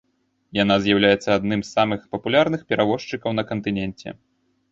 Яна з'яўляецца адным з самых папулярных перавозчыкаў на кантыненце.